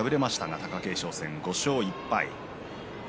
貴景勝戦５勝１敗。